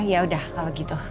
ya udah kalau gitu